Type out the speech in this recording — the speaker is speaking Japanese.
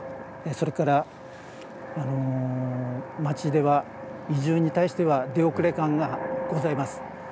それから、町では移住に対しては出遅れ感がございます。